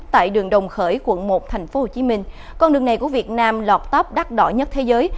tại đường đồng khởi quận một tp hcm con đường này của việt nam lọt tóp đắt đỏ nhất thế giới